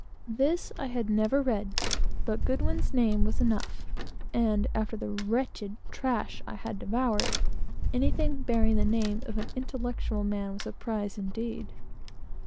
This I had never read, but Godwin's name was enough, and after the wretched trash I had devoured, anything bearing the name of a distinguished intellectual man, was a prize indeed.